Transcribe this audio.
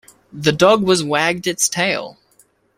The dog was wagged its tail.